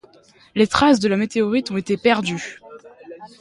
Les traces de la météorite ont été perdues.